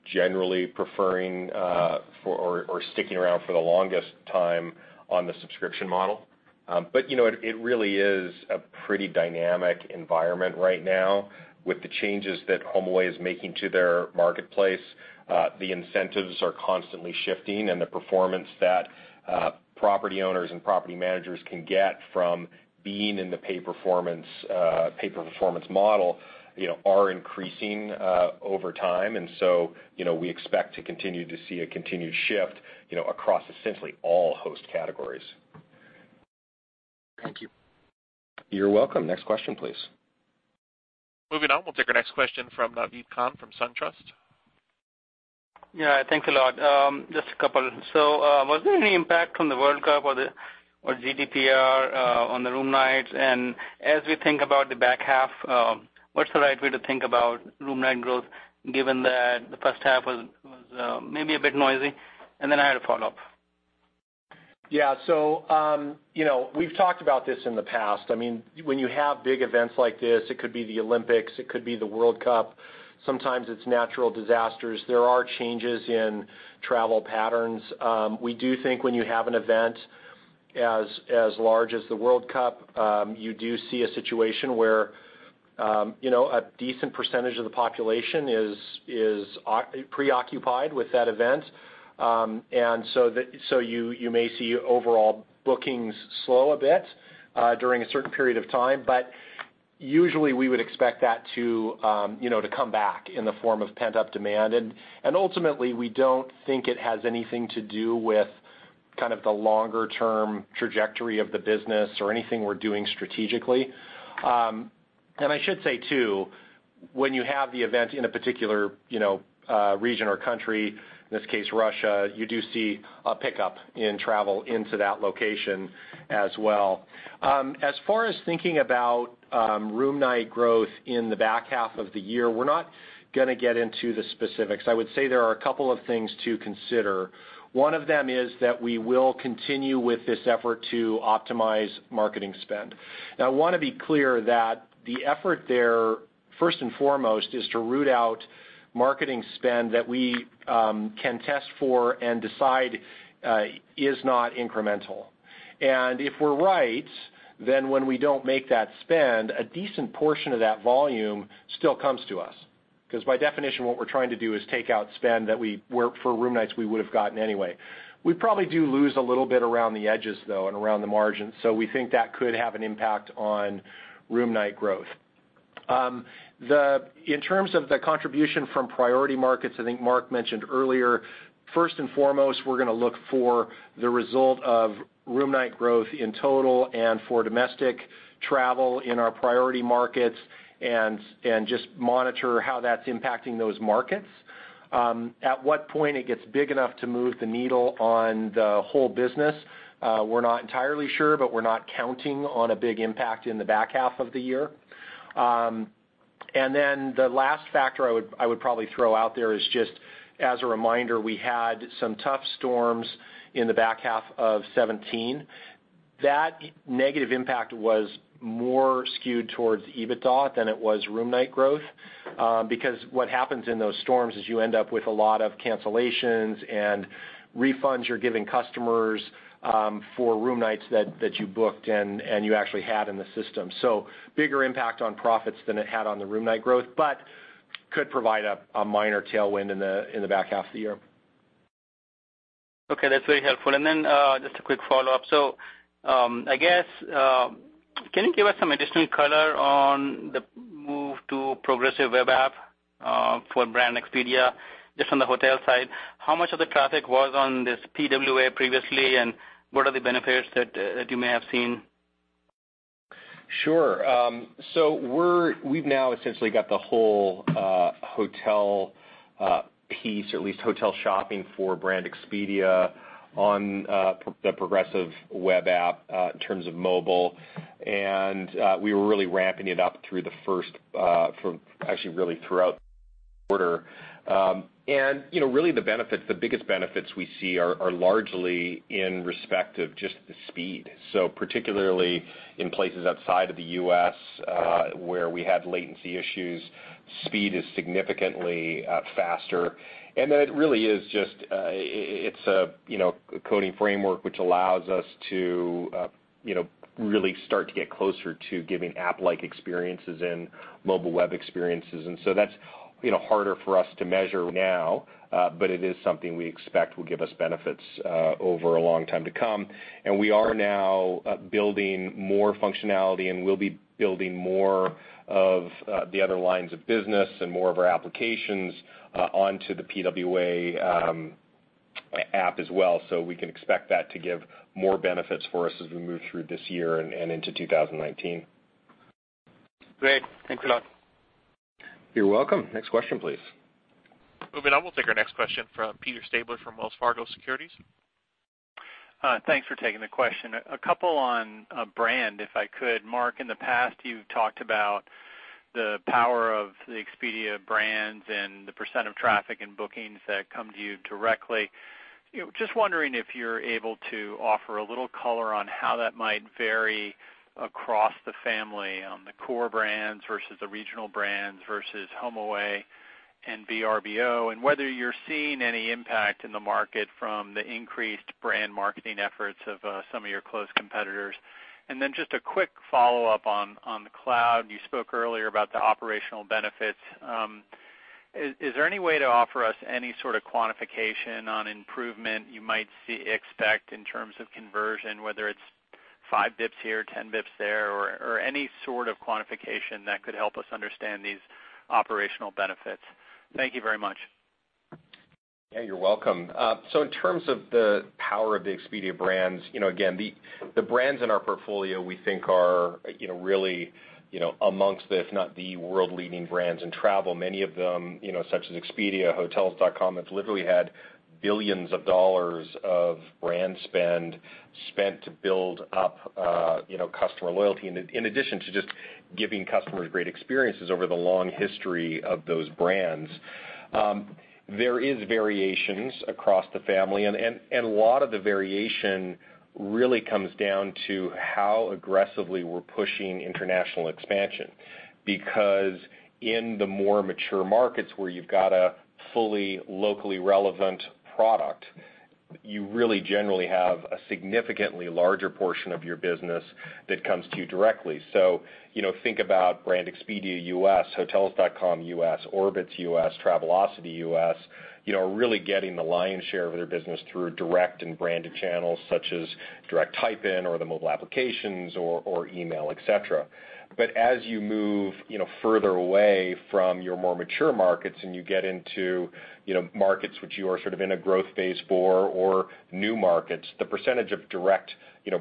generally preferring or sticking around for the longest time on the subscription model. It really is a pretty dynamic environment right now with the changes that HomeAway is making to their marketplace. The incentives are constantly shifting, and the performance that property owners and property managers can get from being in the pay per performance model are increasing over time. We expect to continue to see a continued shift across essentially all host categories. Thank you. You're welcome. Next question, please. Moving on. We'll take our next question from Naved Khan from SunTrust. Yeah, thanks a lot. Just a couple. Was there any impact from the World Cup or GDPR on the room nights? As we think about the back half, what's the right way to think about room night growth, given that the first half was maybe a bit noisy? Then I had a follow-up. Yeah. We've talked about this in the past. When you have big events like this, it could be the Olympics, it could be the World Cup, sometimes it's natural disasters. There are changes in travel patterns. We do think when you have an event As large as the World Cup, you do see a situation where a decent percentage of the population is preoccupied with that event. You may see overall bookings slow a bit during a certain period of time, but usually we would expect that to come back in the form of pent-up demand. Ultimately, we don't think it has anything to do with the longer-term trajectory of the business or anything we're doing strategically. I should say too, when you have the event in a particular region or country, in this case, Russia, you do see a pickup in travel into that location as well. As far as thinking about room night growth in the back half of the year, we're not going to get into the specifics. I would say there are a couple of things to consider. One of them is that we will continue with this effort to optimize marketing spend. Now, I want to be clear that the effort there, first and foremost, is to root out marketing spend that we can test for and decide is not incremental. If we're right, then when we don't make that spend, a decent portion of that volume still comes to us. Because by definition, what we're trying to do is take out spend that for room nights we would have gotten anyway. We probably do lose a little bit around the edges, though, and around the margins. We think that could have an impact on room night growth. In terms of the contribution from priority markets, I think Mark mentioned earlier, first and foremost, we're going to look for the result of room night growth in total and for domestic travel in our priority markets and just monitor how that's impacting those markets. At what point it gets big enough to move the needle on the whole business, we're not entirely sure, but we're not counting on a big impact in the back half of the year. The last factor I would probably throw out there is just as a reminder, we had some tough storms in the back half of 2017. That negative impact was more skewed towards EBITDA than it was room night growth, because what happens in those storms is you end up with a lot of cancellations and refunds you're giving customers for room nights that you booked and you actually had in the system. Bigger impact on profits than it had on the room night growth, but could provide a minor tailwind in the back half of the year. Okay, that's very helpful. Just a quick follow-up. Can you give us some additional color on the move to Progressive Web App for Brand Expedia, just on the hotel side? How much of the traffic was on this PWA previously, and what are the benefits that you may have seen? Sure. We've now essentially got the whole hotel piece, or at least hotel shopping for Brand Expedia on the Progressive Web App in terms of mobile. We were really ramping it up actually, really throughout the quarter. The biggest benefits we see are largely in respect of just the speed. Particularly in places outside of the U.S. where we had latency issues, speed is significantly faster. It really is just a coding framework, which allows us to really start to get closer to giving app-like experiences and mobile web experiences. That's harder for us to measure now, but it is something we expect will give us benefits over a long time to come. We are now building more functionality, and we'll be building more of the other lines of business and more of our applications onto the PWA app as well. We can expect that to give more benefits for us as we move through this year and into 2019. Great. Thanks a lot. You're welcome. Next question, please. Moving on, we'll take our next question from Peter Stabler from Wells Fargo Securities. Thanks for taking the question. A couple on brand, if I could. Mark, in the past, you've talked about the power of the Expedia brands and the % of traffic and bookings that come to you directly. Just wondering if you're able to offer a little color on how that might vary across the family on the core brands versus the regional brands versus HomeAway and Vrbo, and whether you're seeing any impact in the market from the increased brand marketing efforts of some of your close competitors. Just a quick follow-up on the cloud. You spoke earlier about the operational benefits. Is there any way to offer us any sort of quantification on improvement you might expect in terms of conversion, whether it's five bips here, 10 bips there, or any sort of quantification that could help us understand these operational benefits? Thank you very much. Yeah, you're welcome. In terms of the power of the Expedia brands, again, the brands in our portfolio we think are really amongst, if not the world-leading brands in travel. Many of them, such as Expedia, Hotels.com, have literally had $billions of brand spend spent to build up customer loyalty, in addition to just giving customers great experiences over the long history of those brands. There is variations across the family, a lot of the variation really comes down to how aggressively we're pushing international expansion. Because in the more mature markets where you've got a fully locally relevant product You really generally have a significantly larger portion of your business that comes to you directly. Think about Brand Expedia U.S., Hotels.com U.S., Orbitz U.S., Travelocity U.S., really getting the lion's share of their business through direct and branded channels such as direct type-in or the mobile applications or email, et cetera. As you move further away from your more mature markets and you get into markets which you are sort of in a growth phase for or new markets, the percentage of direct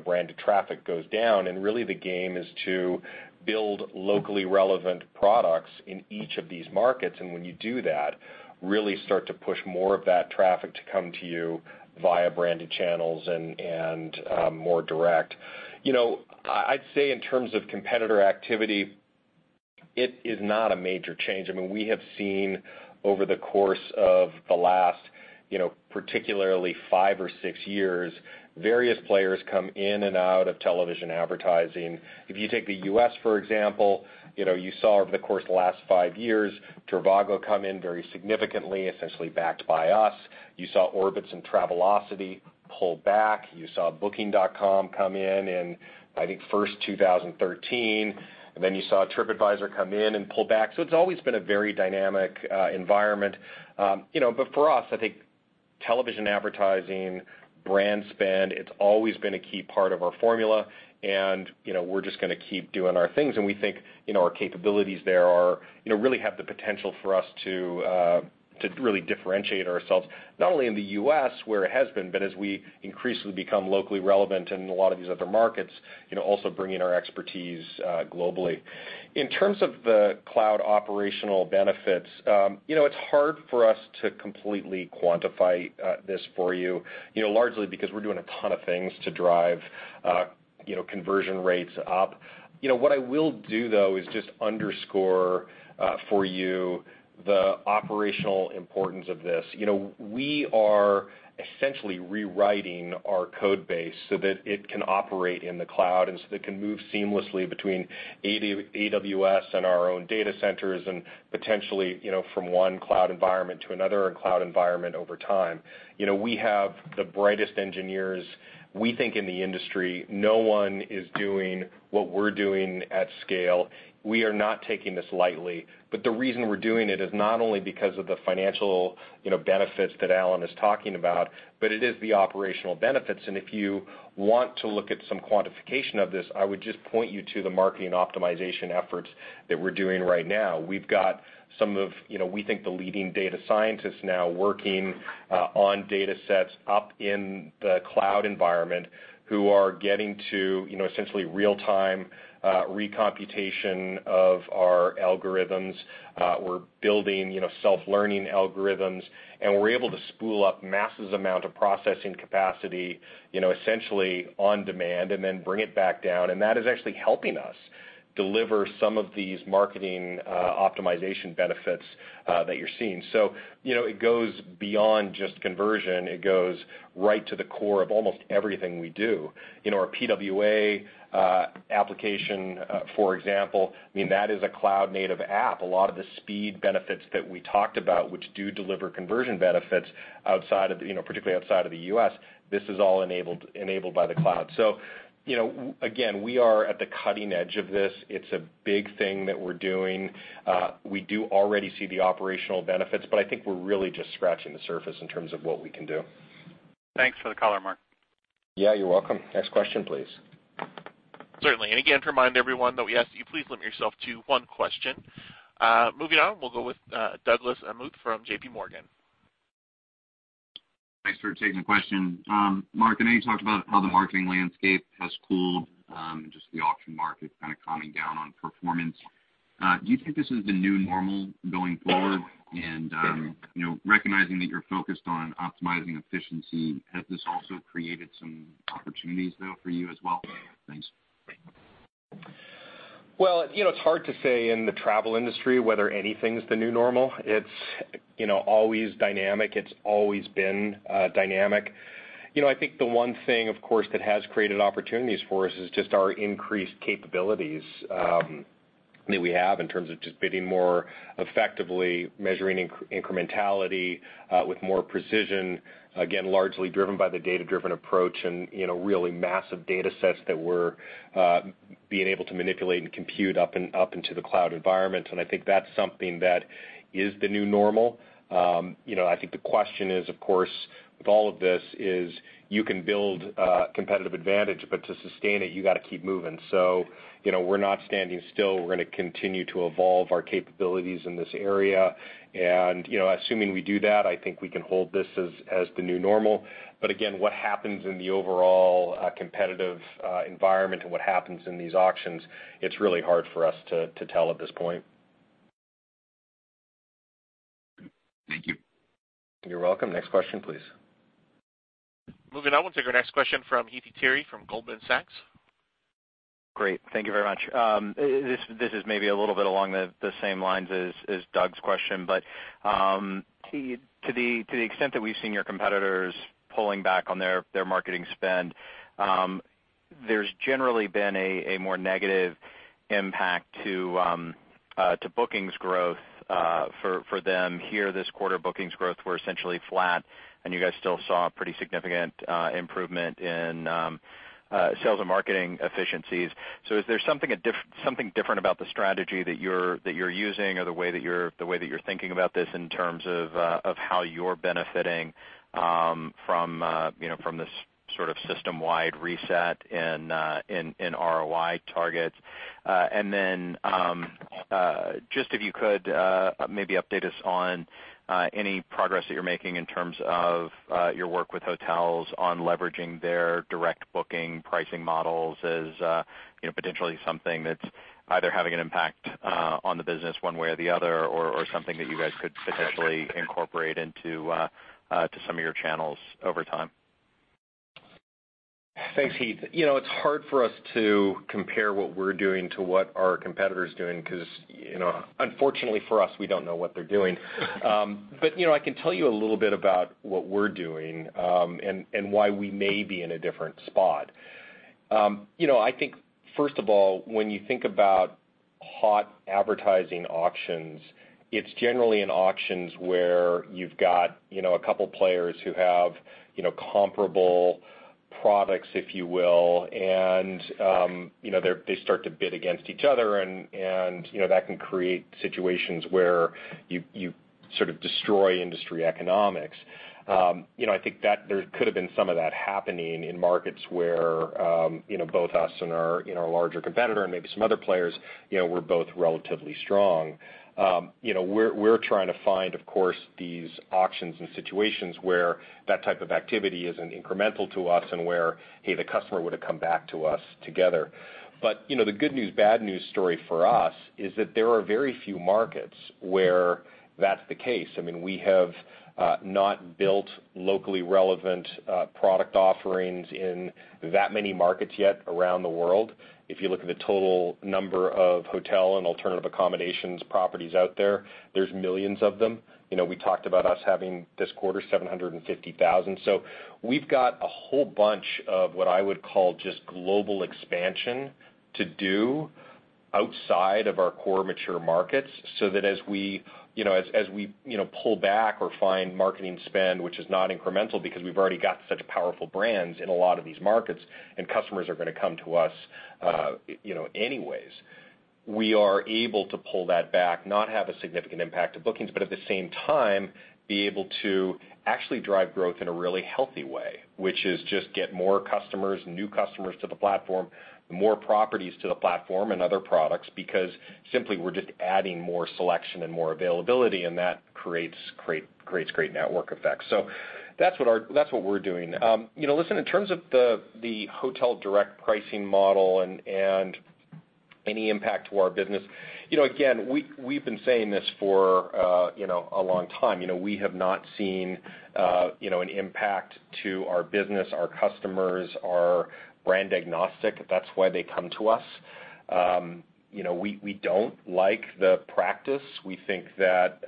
branded traffic goes down, really the game is to build locally relevant products in each of these markets. When you do that, really start to push more of that traffic to come to you via branded channels and more direct. I'd say in terms of competitor activity, it is not a major change. I mean, we have seen over the course of the last, particularly five or six years, various players come in and out of television advertising. If you take the U.S., for example, you saw over the course of the last five years, trivago come in very significantly, essentially backed by us. You saw Orbitz and Travelocity pull back. You saw Booking.com come in in, I think, first 2013, you saw Tripadvisor come in and pull back. It's always been a very dynamic environment. For us, I think television advertising, brand spend, it's always been a key part of our formula, we're just going to keep doing our things, we think our capabilities there really have the potential for us to really differentiate ourselves, not only in the U.S. where it has been, but as we increasingly become locally relevant in a lot of these other markets, also bringing our expertise globally. In terms of the cloud operational benefits, it's hard for us to completely quantify this for you largely because we're doing a ton of things to drive conversion rates up. What I will do, though, is just underscore for you the operational importance of this. We are essentially rewriting our code base so that it can operate in the cloud and so that it can move seamlessly between AWS and our own data centers and potentially from one cloud environment to another cloud environment over time. We have the brightest engineers. We think in the industry, no one is doing what we're doing at scale. We are not taking this lightly. The reason we're doing it is not only because of the financial benefits that Alan is talking about, but it is the operational benefits. If you want to look at some quantification of this, I would just point you to the marketing optimization efforts that we're doing right now. We've got some of, we think, the leading data scientists now working on data sets up in the cloud environment who are getting to essentially real-time recomputation of our algorithms. We're building self-learning algorithms. We're able to spool up massive amount of processing capacity essentially on demand and then bring it back down, and that is actually helping us deliver some of these marketing optimization benefits that you're seeing. It goes beyond just conversion. It goes right to the core of almost everything we do. Our PWA application, for example, I mean, that is a cloud-native app. A lot of the speed benefits that we talked about, which do deliver conversion benefits particularly outside of the U.S., this is all enabled by the cloud. Again, we are at the cutting edge of this. It's a big thing that we're doing. We do already see the operational benefits, I think we're really just scratching the surface in terms of what we can do. Thanks for the color, Mark. Yeah, you're welcome. Next question, please. Certainly. Again, to remind everyone that we ask that you please limit yourself to one question. Moving on, we'll go with Douglas Anmuth from J.P. Morgan. Thanks for taking the question. Mark, I know you talked about how the marketing landscape has cooled, just the auction market kind of calming down on performance. Do you think this is the new normal going forward? Recognizing that you're focused on optimizing efficiency, has this also created some opportunities though for you as well? Thanks. Well, it's hard to say in the travel industry whether anything's the new normal. It's always dynamic. It's always been dynamic. I think the one thing, of course, that has created opportunities for us is just our increased capabilities that we have in terms of just bidding more effectively, measuring incrementality with more precision. Again, largely driven by the data-driven approach really massive data sets that we're being able to manipulate and compute up into the cloud environment, I think that's something that is the new normal. I think the question is, of course, with all of this is you can build competitive advantage, to sustain it, you got to keep moving. We're not standing still. We're going to continue to evolve our capabilities in this area, assuming we do that, I think we can hold this as the new normal. Again, what happens in the overall competitive environment what happens in these auctions, it's really hard for us to tell at this point. Thank you. You're welcome. Next question, please. Moving on. We'll take our next question from Heath Terry from Goldman Sachs. Great. Thank you very much. This is maybe a little bit along the same lines as Doug's question, but to the extent that we've seen your competitors pulling back on their marketing spend. There's generally been a more negative impact to bookings growth for them here this quarter. Bookings growth were essentially flat, and you guys still saw a pretty significant improvement in sales and marketing efficiencies. Is there something different about the strategy that you're using or the way that you're thinking about this in terms of how you're benefiting from this sort of system-wide reset in ROI targets? just if you could, maybe update us on any progress that you're making in terms of your work with hotels on leveraging their direct booking pricing models as potentially something that's either having an impact on the business one way or the other, or something that you guys could potentially incorporate into some of your channels over time. Thanks, Heath. It's hard for us to compare what we're doing to what our competitor's doing, because unfortunately for us, we don't know what they're doing. I can tell you a little bit about what we're doing, and why we may be in a different spot. I think, first of all, when you think about hot advertising auctions, it's generally in auctions where you've got a couple players who have comparable products, if you will, and they start to bid against each other, and that can create situations where you sort of destroy industry economics. I think that there could have been some of that happening in markets where both us and our larger competitor, and maybe some other players, we're both relatively strong. We're trying to find, of course, these auctions and situations where that type of activity isn't incremental to us, and where, hey, the customer would've come back to us together. The good news, bad news story for us, is that there are very few markets where that's the case. We have not built locally relevant product offerings in that many markets yet around the world. If you look at the total number of hotel and alternative accommodations properties out there's millions of them. We talked about us having, this quarter, 750,000. we've got a whole bunch of what I would call just global expansion to do outside of our core mature markets, so that as we pull back or find marketing spend which is not incremental, because we've already got such powerful brands in a lot of these markets, and customers are going to come to us anyways. We are able to pull that back, not have a significant impact to bookings, but at the same time, be able to actually drive growth in a really healthy way. Which is just get more customers, new customers to the platform, more properties to the platform, and other products. Simply, we're just adding more selection and more availability, and that creates great network effects. That's what we're doing. Listen, in terms of the hotel direct pricing model and any impact to our business. We've been saying this for a long time. We have not seen an impact to our business. Our customers are brand agnostic. That's why they come to us. We don't like the practice. We think that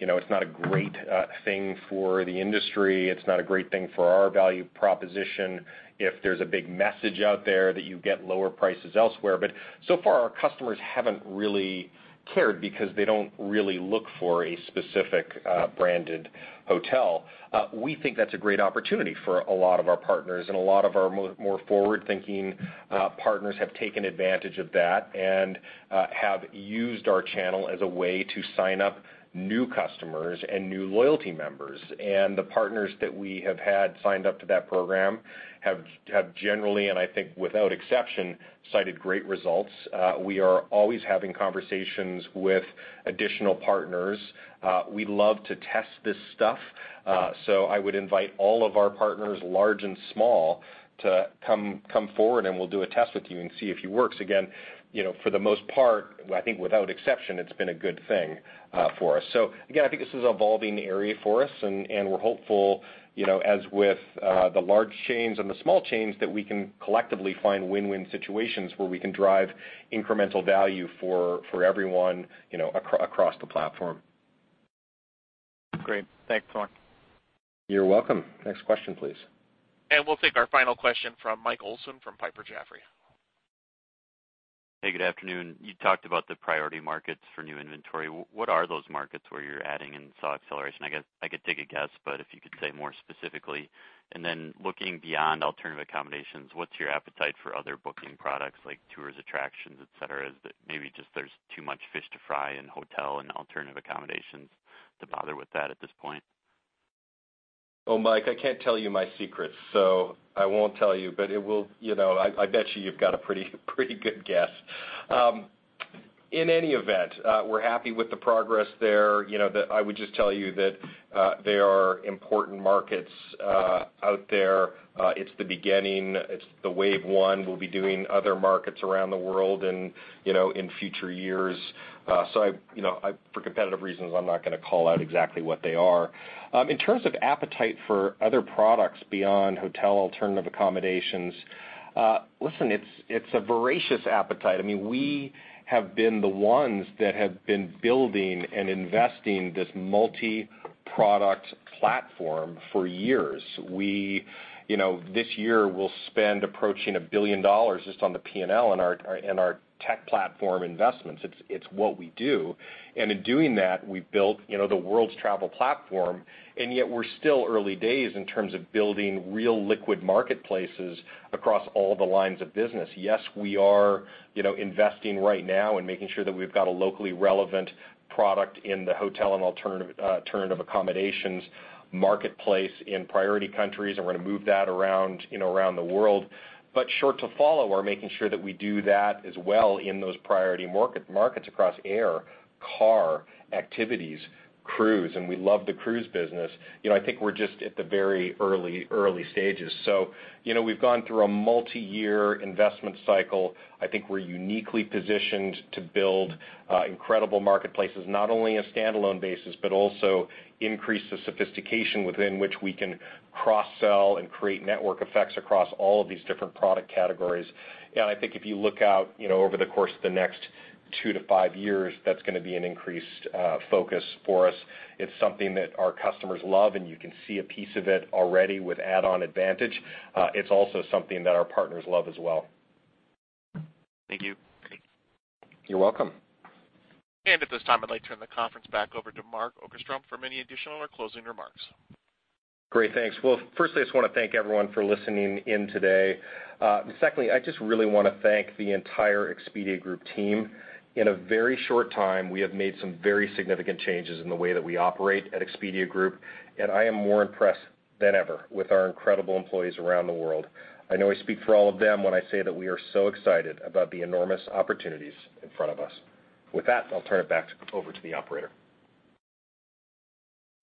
it's not a great thing for the industry. It's not a great thing for our value proposition if there's a big message out there that you get lower prices elsewhere. So far, our customers haven't really cared, because they don't really look for a specific branded hotel. We think that's a great opportunity for a lot of our partners, and a lot of our more forward-thinking partners have taken advantage of that, and have used our channel as a way to sign up new customers and new loyalty members. The partners that we have had signed up to that program have generally, and I think without exception, cited great results. We are always having conversations with additional partners. We love to test this stuff. I would invite all of our partners, large and small, to come forward and we'll do a test with you and see if it works. For the most part, I think without exception, it's been a good thing for us. Again, I think this is an evolving area for us, and we're hopeful, as with the large chains and the small chains, that we can collectively find win-win situations where we can drive incremental value for everyone across the platform. Great. Thanks, Mark. You're welcome. Next question, please. We'll take our final question from Michael Olson from Piper Jaffray. Hey, good afternoon. You talked about the priority markets for new inventory. What are those markets where you're adding and saw acceleration? I could take a guess, but if you could say more specifically. Looking beyond alternative accommodations, what's your appetite for other booking products like tours, attractions, et cetera? Is it maybe just there's too much fish to fry in hotel and alternative accommodations to bother with that at this point? Well, Mike, I can't tell you my secrets, so I won't tell you. I bet you you've got a pretty good guess. In any event, we're happy with the progress there. I would just tell you that there are important markets out there. It's the beginning. It's the wave 1. We'll be doing other markets around the world in future years. For competitive reasons, I'm not going to call out exactly what they are. In terms of appetite for other products beyond hotel alternative accommodations, listen, it's a voracious appetite. We have been the ones that have been building and investing this multi-product platform for years. This year, we'll spend approaching $1 billion just on the P&L and our tech platform investments. It's what we do. In doing that, we built the world's travel platform, and yet we're still early days in terms of building real liquid marketplaces across all the lines of business. Yes, we are investing right now and making sure that we've got a locally relevant product in the hotel and alternative accommodations marketplace in priority countries, and we're going to move that around the world. Sure to follow, we're making sure that we do that as well in those priority markets across air, car, activities, cruise, and we love the cruise business. I think we're just at the very early stages. We've gone through a multi-year investment cycle. I think we're uniquely positioned to build incredible marketplaces, not only a standalone basis, but also increase the sophistication within which we can cross-sell and create network effects across all of these different product categories. I think if you look out over the course of the next two to five years, that's going to be an increased focus for us. It's something that our customers love, and you can see a piece of it already with Add-On Advantage. It's also something that our partners love as well. Thank you. You're welcome. At this time, I'd like to turn the conference back over to Mark Okerstrom for any additional or closing remarks. Great. Thanks. Firstly, I just want to thank everyone for listening in today. Secondly, I just really want to thank the entire Expedia Group team. In a very short time, we have made some very significant changes in the way that we operate at Expedia Group, and I am more impressed than ever with our incredible employees around the world. I know I speak for all of them when I say that we are so excited about the enormous opportunities in front of us. With that, I'll turn it back over to the operator.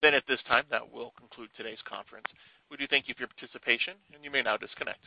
At this time, that will conclude today's conference. We do thank you for your participation, and you may now disconnect.